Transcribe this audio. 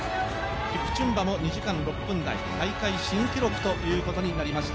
キプチュンバも２時間６分台、大会新記録ということになりました。